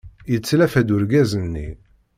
Yetlafa-d urgaz-nni.